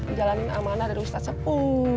ngejalanin amanah dari ustadz sepuh